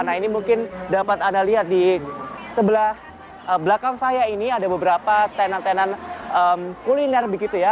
nah ini mungkin dapat anda lihat di sebelah belakang saya ini ada beberapa tenan tenan kuliner begitu ya